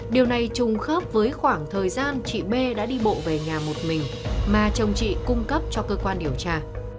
điều này trùng khớp với khoảng thời gian chị b đã đi bộ về nhà một mình mà chồng chị cung cấp cho cơ quan điều tra